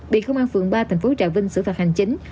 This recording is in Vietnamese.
bị công an phường ba thành phố trà vinh xử phạt hành chính